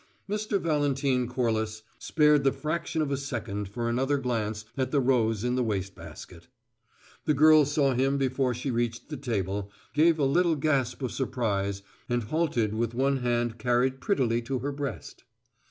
Mr. Valentine Corliss spared the fraction of a second for another glance at the rose in the waste basket. The girl saw him before she reached the table, gave a little gasp of surprise, and halted with one hand carried prettily to her breast.